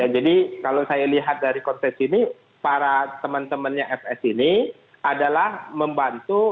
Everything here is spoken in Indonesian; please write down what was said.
jadi kalau saya lihat dari konteks ini para teman temannya fs ini adalah membantu